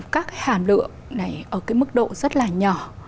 các hàm lượng này ở cái mức độ rất là nhỏ